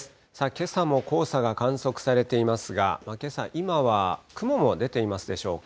けさも黄砂が観測されていますが、けさ、今は雲も出ていますでしょうか。